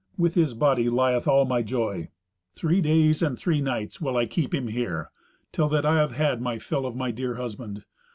With his body lieth all my joy. Three days and three nights will I keep him here, till that I have had my fill of my dear husband.